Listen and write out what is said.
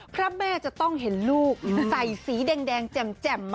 พระแม่จะต้องเห็นลูกใส่สีแดงแจ่ม